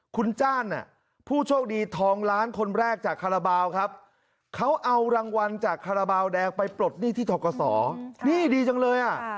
คุณจ้านผู้โชคดีทองล้านคนแรกจากคาราบาลครับเขาเอารางวัลจากคาราบาลแดงไปปลดหนี้ที่ทกศนี่ดีจังเลยอ่ะ